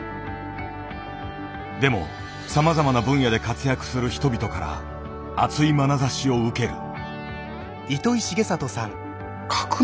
でもさまざまな分野で活躍する人々から熱いまなざしを受ける。